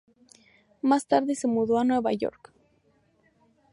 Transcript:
Más tarde se mudó a Nueva York.